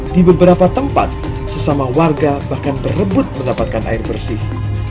di beberapa tempat sesama warga bahkan berebut mendapatkan air bersih